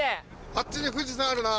あっちに富士山あるな。